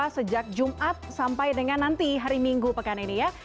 sejak jumat sampai dengan nanti hari minggu pekan ini ya